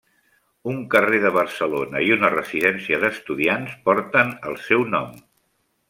Un carrer de Barcelona i una residència d'Estudiants porten el seu nom.